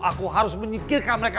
aku harus menyikirkan mereka